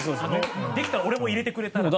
できたら俺も入れてくれたら。